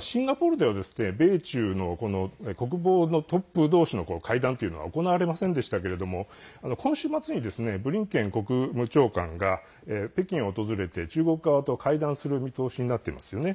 シンガポールでは米中の国防のトップ同士の会談というのが行われませんでしたけれども今週末にブリンケン国務長官が北京を訪れて中国側と会談する見通しになっていますよね。